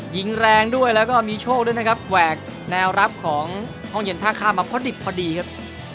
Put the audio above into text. ยิงแรงด้วยแล้วก็มีโชคด้วยนะครับแหวกแนวรับของห้องเย็นท่าข้ามมาพอดิบพอดีครับ